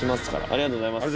ありがとうございます。